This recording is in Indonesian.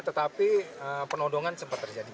tetapi penodongan sempat terjadi